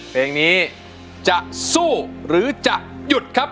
เพลงนี้จะสู้หรือจะหยุดครับ